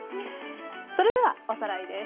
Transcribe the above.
それではおさらいです。